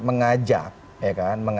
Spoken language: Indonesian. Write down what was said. mengajak ya kan